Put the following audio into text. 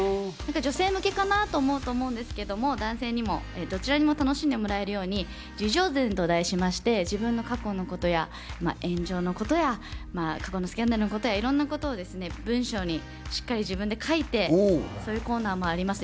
女性向けかなと思うと思うんですけど、男性にもどちらにも楽しんでもらえるように自叙伝と題しまして、自分の過去のことや炎上のことや、過去のスキャンダルや、いろんなことを文章に自分で書いて、盛り込んであります。